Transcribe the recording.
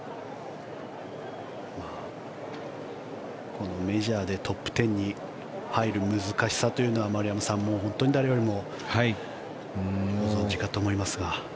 このメジャーでトップ１０に入る難しさというのは丸山さん、本当に誰よりもご存じかと思いますが。